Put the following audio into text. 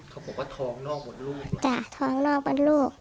เขาบอกว่าท้องนอกหมดลูกจ้ะท้องนอกหมดลูก